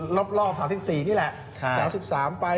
บาทยังอยู่รอบ๓๔นี่แหละ